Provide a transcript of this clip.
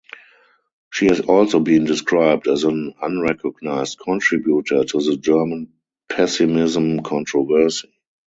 She has also been described as an unrecognised contributor to the German pessimism controversy.